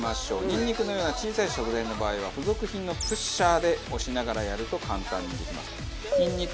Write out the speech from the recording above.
ニンニクのような小さい食材の場合は付属品のプッシャーで押しながらやると簡単にできます。